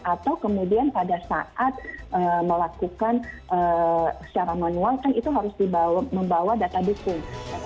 atau kemudian pada saat melakukan secara manual kan itu harus membawa data dukung